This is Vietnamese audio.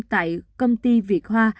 tại công ty việt hoa